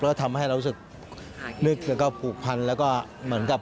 แล้วก็ผูกพันแล้วก็เหมือนกับ